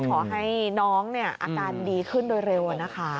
ขอให้น้องอาการดีขึ้นโดยเร็วนะคะ